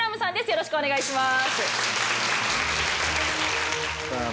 よろしくお願いします。